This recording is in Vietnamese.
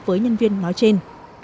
với nhân viên nói trên